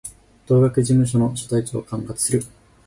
当該事務所の所在地を管轄する